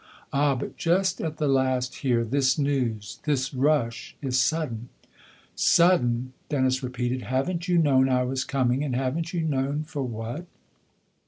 " "Ah, but just at the last, here this news, this rush is sudden." " Sudden !" Dennis repeated. "Haven't you known I was coming, and haven't you known for what?"